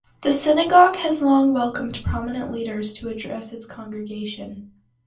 The synagogue has long welcomed prominent leaders to address its congregation.